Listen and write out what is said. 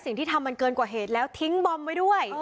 สิ่งที่ทำมันเกินกว่าเหตุแล้วทิ้งบอมไว้ด้วย